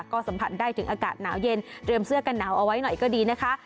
ก็สัมผัสได้ถึงอากาศหนาวเย็นเตรียมเสื้อกันหนาวเอาไว้หน่อยก็ดีนะคะ